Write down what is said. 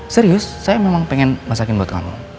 serius saya memang pengen masakin buat kamu